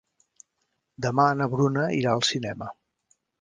Demà na Bruna irà al cinema.